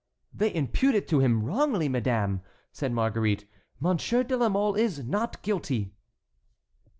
"They impute it to him wrongly, madame," said Marguerite; "Monsieur de la Mole is not guilty."